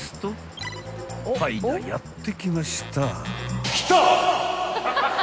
［はいなやって来ました］